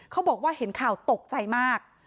เขาบอกว่าเห็นข่าวตกใจมาก